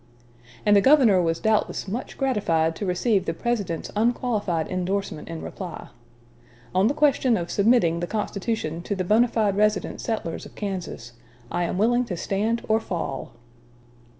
And the governor was doubtless much gratified to receive the President's unqualified indorsement in reply: "On the question of submitting the constitution to the bona fide resident settlers of Kansas, I am willing to stand or fall."